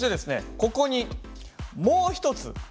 ここにもう一つ。